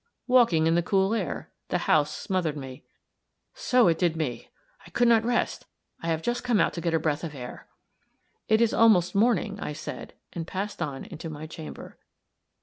"Walking in the cool air. The house smothered me." "So it did me. I could not rest. I have just come out to get a breath of air." "It is almost morning," I said, and passed on into my chamber.